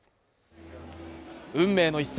運命の一戦